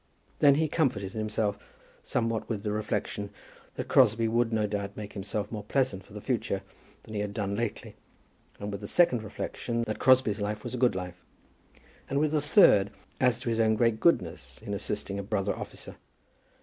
Then he comforted himself somewhat with the reflection, that Crosbie would no doubt make himself more pleasant for the future than he had done lately, and with a second reflection, that Crosbie's life was a good life, and with a third, as to his own great goodness, in assisting a brother officer.